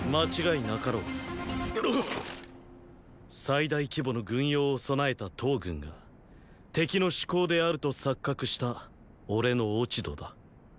最大規模の軍容を備えた騰軍が敵の“主攻”であると錯覚した俺の落ち度だ。